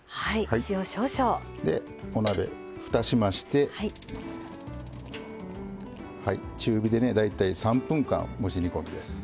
でお鍋ふたしまして中火でね大体３分間蒸し煮込みです。